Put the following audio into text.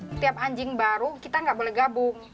setiap anjing baru kita nggak boleh gabung